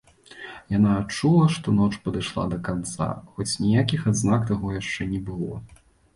Яна адчула, што ноч падышла да канца, хоць ніякіх адзнак таго яшчэ не было.